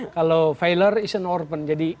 kalau failure is an orphan jadi